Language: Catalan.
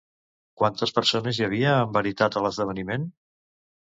Quantes persones hi havia en veritat a l'esdeveniment?